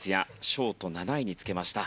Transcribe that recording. ショート７位につけました。